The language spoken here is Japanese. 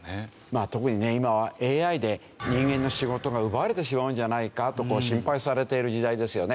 特にね今はＡＩで人間の仕事が奪われてしまうんじゃないかと心配されている時代ですよね。